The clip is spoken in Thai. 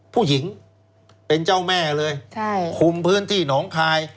ผู้หญิงเป็นเจ้าแม่เลยคุมพื้นที่หนองคาย